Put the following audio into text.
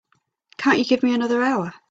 Can't you give me another hour?